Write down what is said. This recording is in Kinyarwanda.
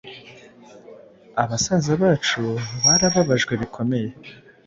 Abasaza bacu barababajwe bikomeye